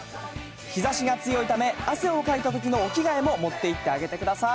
日ざしが強いため、汗をかいたときのお着替えも持っていってあげてください。